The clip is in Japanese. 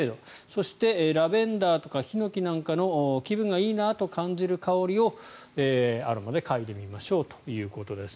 そしてラベンダーとかヒノキなんかの気分がいいなと感じる香りをアロマで嗅いでみましょうということです。